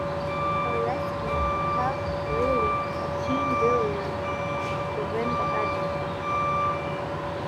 Her rescue helped rally the Cheyenne warriors to win the battle.